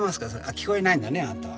聞こえないんだねあなたは。